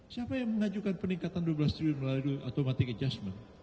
siapa yang mengajukan peningkatan dua belas triliun melalui automatic adjustment